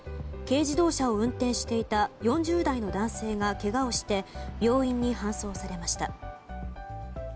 軽自動車を運転していた４０代の男性がけがをして病院に搬送されました。